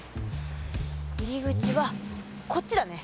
入り口はこっちだね。